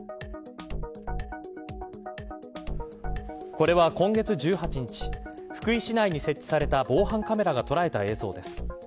これは今月１８日福井市内に設置された防犯カメラが捉えた映像です。